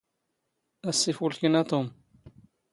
ⴰⵙⵙ ⵉⴼⵓⵍⴽⵉⵏ ⴰ ⵜⵓⵎ.